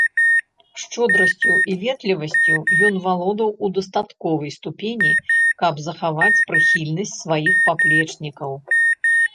Шчодрасцю і ветлівасцю ён валодаў у дастатковай ступені, каб захаваць прыхільнасць сваіх паплечнікаў.